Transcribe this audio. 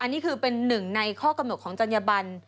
อันนี้คือเป็นหนึ่งในข้อกำหนดของจัญญบัน